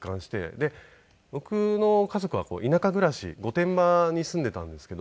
で僕の家族は田舎暮らし御殿場に住んでいたんですけど。